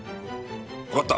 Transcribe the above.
わかった。